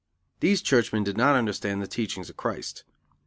These churchmen did not understand the teachings of Christ.